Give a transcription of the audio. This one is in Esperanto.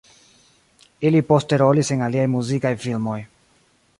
Ili poste rolis en aliaj muzikaj filmoj.